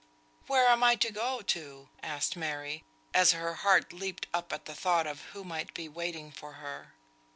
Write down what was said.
"Where am I to go to?" asked Mary, as her heart leaped up at the thought of who might be waiting for her.